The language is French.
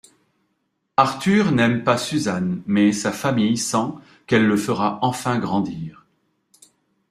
Arthur n'aime pas Susan, mais sa famille sent qu'elle le fera enfin grandir.